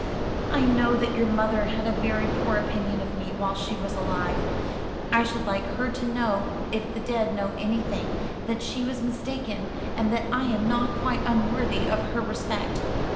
I know that your mother had a very poor opinion of me while she was alive; I should like her to know, if the dead know anything, that she was mistaken, and that I am not quite unworthy of her respect.